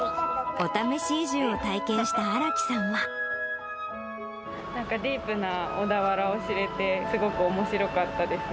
お試し移住を体験した荒木さなんかディープな小田原を知れて、すごくおもしろかったです。